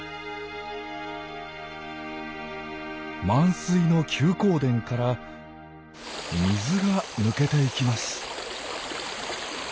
満水の休耕田から水が抜けていきます。